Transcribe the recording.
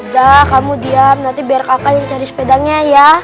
dah kamu diam nanti biar kakak yang cari sepedanya ya